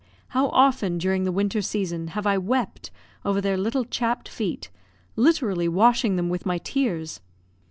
How often, during the winter season, have I wept over their little chapped feet, literally washing them with my tears!